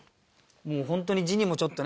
もうホントに字にもちょっとね